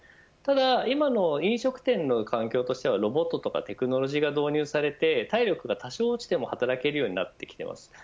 今の飲食店の環境としてはロボットとかテクノロジーが導入されて体力が多少落ちても働けるようになっています。